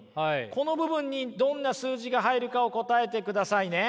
この部分にどんな数字が入るかを答えてくださいね。